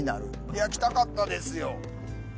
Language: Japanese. いや来たかったですよ。